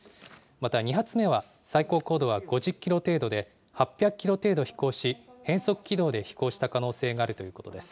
また２発目は最高高度は５０キロ程度で、８００キロ程度飛行し、変則軌道で飛行した可能性があるということです。